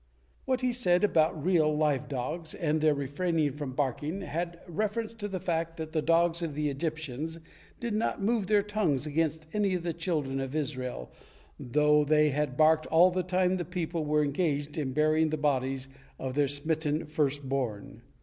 What he said about real, live dogs and their refraining from barking had reference to the fact that the dogs of the Egyptians did not move their tongues against any of the children of Israel, through they had barked all the time the people were engaged in burying the bodies of their smitten first born.